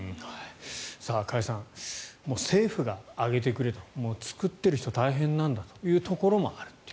加谷さん政府が上げてくれと作ってる人、大変なんだというところもあると。